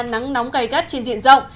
nắng nóng cay gắt trên diện rộng